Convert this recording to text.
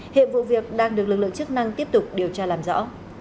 hiện vụ việc đang được lực lượng chức năng tiếp tục điều tra làm rõ